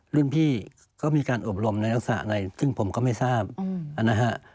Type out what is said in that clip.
รุ่นพี่ก็มีการอบรมในลักษณะอะไรซึ่งผมก็ไม่ทราบนะฮะ